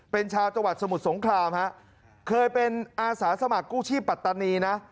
เป็นชาวจังหวัดสมุทรสงครามฮะเคยเป็นอาสาสมัครกู้ชีพปัตตานีนะ